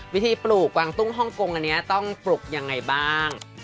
วิธีปลูกกวางตุ้งฮ่องกงอันนี้ต้องปลูกยังไงบ้าง